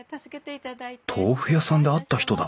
あっ豆腐屋さんで会った人だ！